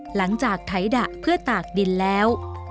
หลังจากไถดะเพื่อตากดินแล้ว